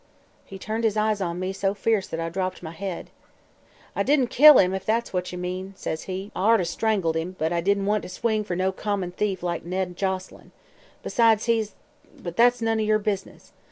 "He turned his eyes on me so fierce that I dropped my head. "'I didn't kill him, if that's what ye mean,' says he. 'I orter strangled him, but I didn't want to swing fer no common thief like Ned Joselyn. Besides, he's but that's none o' yer business.